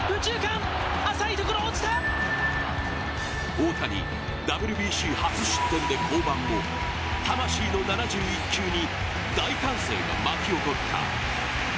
大谷、ＷＢＣ初失点で降板も魂の７１球に大歓声が巻き起こった。